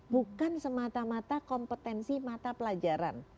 bukan semata mata kompetensi mata pelajaran